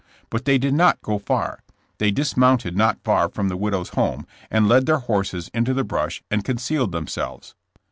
But they did not go far. They dis mounted not far from the widow's home, and led their horses into the brush and concealed them selves.